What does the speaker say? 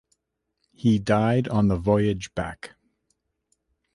He died on the voyage back.